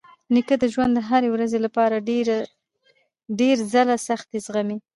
نیکه د ژوند د هرې ورځې لپاره ډېر ځله سختۍ زغمي.